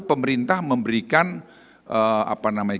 pemerintah memberikan apa namanya